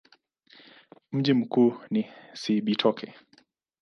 Mji mkuu ni Cibitoke.